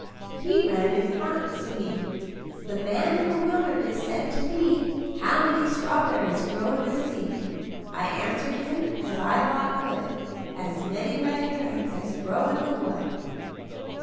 He ran in front, singing "The man in the wilderness said to me, 'How many strawberries grow in the sea?' I answered him as I thought good 'As many red herrings as grow in the wood.'"